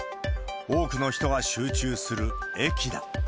多くの人が集中する駅だ。